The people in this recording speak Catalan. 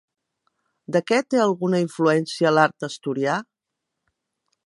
De què té alguna influència l'art asturià?